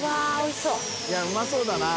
いうまそうだな。